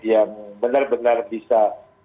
yang benar benar bisa